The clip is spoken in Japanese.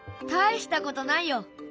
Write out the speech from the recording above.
大したことないよ。